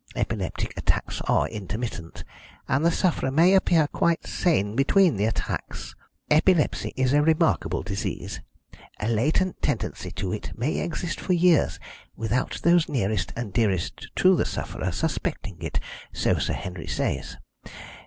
Epileptic attacks are intermittent, and the sufferer may appear quite sane between the attacks. Epilepsy is a remarkable disease. A latent tendency to it may exist for years without those nearest and dearest to the sufferer suspecting it, so Sir Henry says.